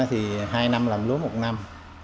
thì hai năm làm lúa một năm